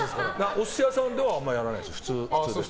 お寿司屋さんではあんまりやらないです。